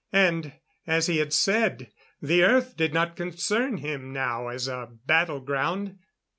And as he had said the Earth did not concern him now as a battle ground.